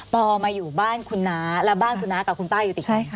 อมาอยู่บ้านคุณน้าแล้วบ้านคุณน้ากับคุณป้าอยู่ติดไหมคะ